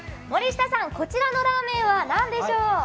森下さん、こちらのラーメンは何でしょう。